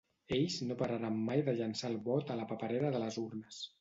Ells no pararan mai de llençar el vot a la paperera de les urnes.